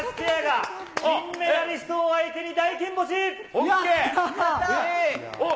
金メダリストを相手に大金星！ＯＫ。